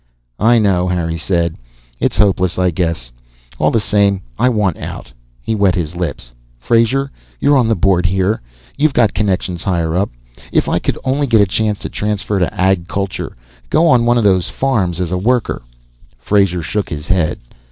"I know," Harry said. "It's hopeless, I guess. All the same, I want out." He wet his lips. "Frazer, you're on the Board here. You've got connections higher up. If I could only get a chance to transfer to Ag Culture, go on one of those farms as a worker " Frazer shook his head.